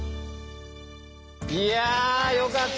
いやよかった！